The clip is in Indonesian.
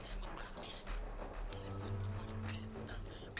dari pertama kali dateng